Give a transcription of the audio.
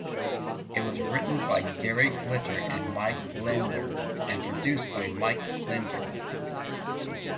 It was written by Gary Glitter and Mike Leander and produced by Mike Leander.